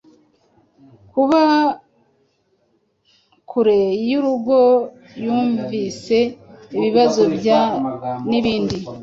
kuba kure yurugoyumvise ibibazo bya nibindi